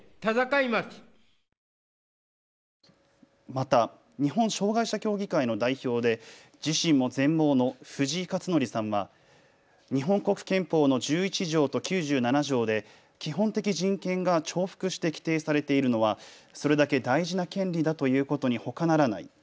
また日本障害者協議会の代表で自身も全盲の藤井克徳さんは日本国憲法の１１条と９７条で基本的人権が重複して規定されているのはそれだけ大事な権利だということにほかならない。